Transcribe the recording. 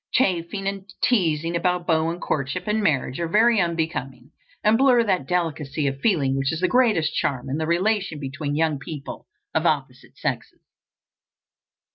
Chaffing and teasing about beaux and courtship and marriage are very unbecoming, and blur that delicacy of feeling which is the greatest charm in the relation between young people of opposite sexes.